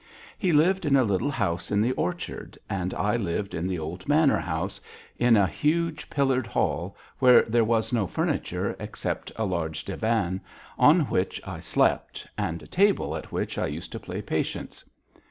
He lived in a little house in the orchard, and I lived in the old manor house, in a huge pillared hall where there was no furniture except a large divan, on which I slept, and a table at which I used to play patience.